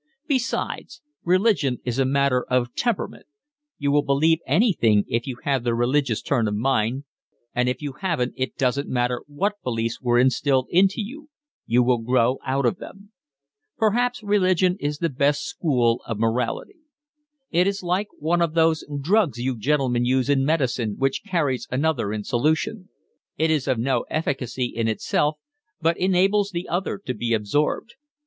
Besides, religion is a matter of temperament; you will believe anything if you have the religious turn of mind, and if you haven't it doesn't matter what beliefs were instilled into you, you will grow out of them. Perhaps religion is the best school of morality. It is like one of those drugs you gentlemen use in medicine which carries another in solution: it is of no efficacy in itself, but enables the other to be absorbed.